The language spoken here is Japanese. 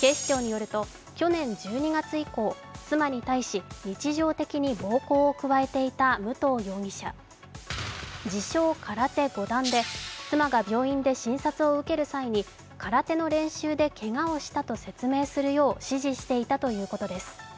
警視庁によると去年１２月以降、妻に対し自称・空手五段で、妻が病院で診察を受ける際に、空手の練習でけがをしたと説明するよう指示をしていたということです。